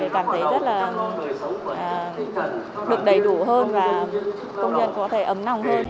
cảm thấy rất là được đầy đủ hơn và công nhân có thể ấm nong hơn